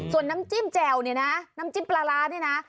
ส่วนน้ำจิ้มแจ่วเนี่ยนะน้ำจิ้มปลาร้านี่นะ